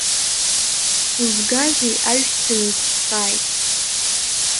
Узгазеи аҩсҭаа уихәхааит.